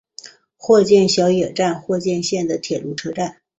鹤见小野站鹤见线的铁路车站。